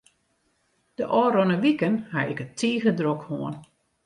De ôfrûne wiken haw ik it tige drok hân.